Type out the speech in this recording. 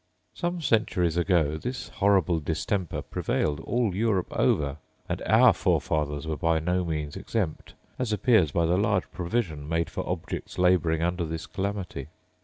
Some centuries ago this horrible distemper prevailed all Europe over; and our forefathers were by no means exempt, as appears by the large provision made for objects labouring under this calamity.